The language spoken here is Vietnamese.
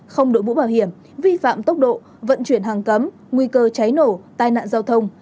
không đội mũ bảo hiểm vi phạm tốc độ vận chuyển hàng cấm nguy cơ cháy nổ tai nạn giao thông